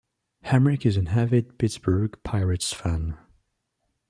Emrick is an avid Pittsburgh Pirates fan.